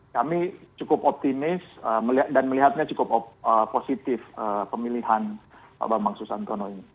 kami cukup optimis dan melihatnya cukup positif pemilihan pak bambang susantono ini